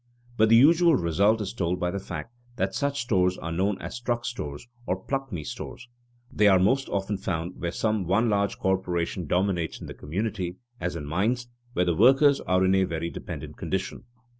But the usual result is told by the fact that such stores are known as "truck stores," "pluck me stores." They are most often found where some one large corporation dominates in the community, as in mines, where the workers are in a very dependent condition.